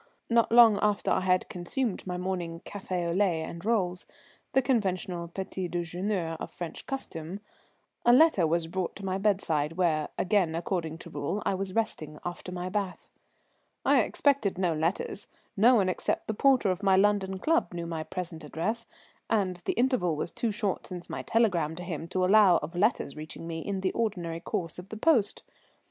Not long after I had consumed my morning café au lait and rolls, the conventional petit déjeuner of French custom, a letter was brought to my bedside, where, again according to rule, I was resting after my bath. I expected no letters, no one except the porter of my London club knew my present address, and the interval was too short since my telegram to him to allow of letters reaching me in the ordinary course of the post.